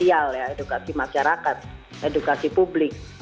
untuk melakukan edukasi sosial ya edukasi masyarakat edukasi publik